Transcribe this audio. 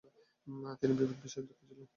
তিনি বিবিধ বিষয়ে দক্ষ ছিলেন।